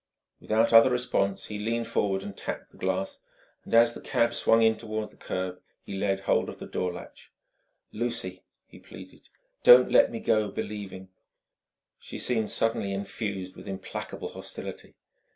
Without other response, he leaned forward and tapped the glass; and as the cab swung in toward the curb, he laid hold of the door latch. "Lucy," he pleaded, "don't let me go believing " She seemed suddenly infused with implacable hostility.